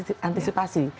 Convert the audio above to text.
ini harus kita antisipasi